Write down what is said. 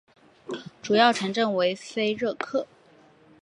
主要城镇为菲热克。